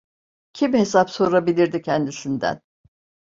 Kim hesap sorabilirdi kendisinden?